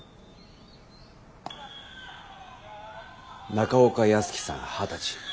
中岡泰樹さん二十歳。